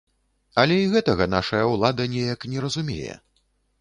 Але і гэтага нашая ўлада неяк не разумее.